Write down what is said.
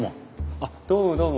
あっどうもどうも。